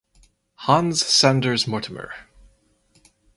Hans Sanders Mortimer.